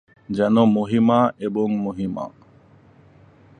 যেন 'মহিমা এবং মহিমা'।